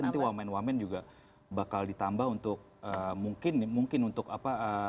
nanti wamen wamen juga bakal ditambah untuk mungkin untuk apa